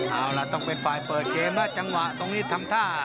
เอาล่ะต้องเป็นฝ่ายเปิดเกมแล้วจังหวะตรงนี้ทำท่า